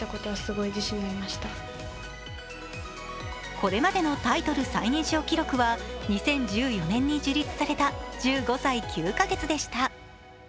これまでのタイトル最年少記録は、２０１４年に樹立された１５歳９か月でした。